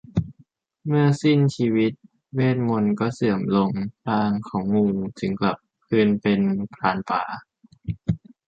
เมื่อสิ้นชีวิตเวทย์มนตร์ก็เสื่อมลงร่างของงูจึงกลับคืนเป็นพรานป่า